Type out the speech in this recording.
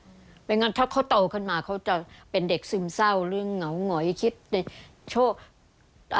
ไม่งั้นถ้าเขาโตขึ้นมาเขาจะเป็นเด็กซึมเศร้าหรือเหงาหงอยคิดในโชค